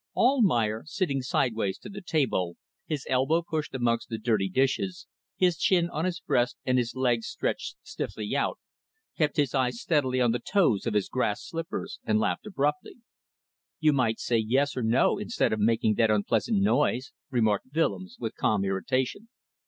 Almayer, sitting sidewise to the table, his elbow pushed amongst the dirty plates, his chin on his breast and his legs stretched stiffly out, kept his eyes steadily on the toes of his grass slippers and laughed abruptly. "You might say yes or no instead of making that unpleasant noise," remarked Willems, with calm irritation.